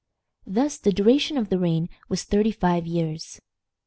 Thus the duration of the reign was thirty five years.